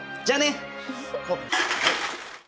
じゃあね！